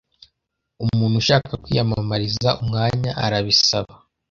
Umuntu ushaka kwiyamamariza umwanya arabisaba.